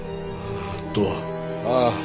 あーっとああ。